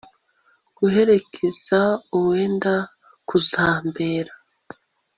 guherekeza uwenda kuzamubera